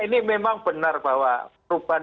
ini memang benar bahwa perubahan